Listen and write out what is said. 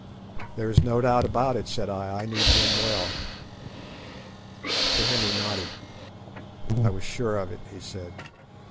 "There is no doubt about it," said I; "I knew Jim well." Sir Henry nodded. "I was sure of it," he said.